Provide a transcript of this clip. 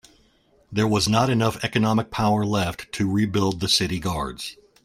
There was not enough economic power left to rebuild the city guards.